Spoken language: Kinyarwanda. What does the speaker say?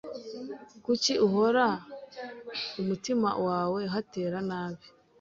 Kuki uhora mumutima wawe hatera nabi